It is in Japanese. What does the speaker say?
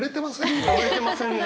眠れてませんね。